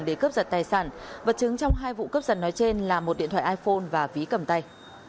để cướp giật tài sản vật chứng trong hai vụ cướp giật nói trên là một điện thoại iphone và ví cầm tay